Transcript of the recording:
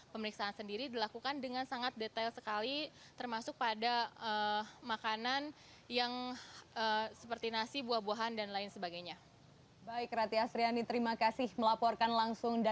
pemeriksaan sendiri dilakukan dengan sangat detail sekali termasuk pada makanan yang seperti nasi buah buahan dan lain sebagainya